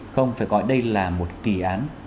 không phải gọi đây là một kỳ án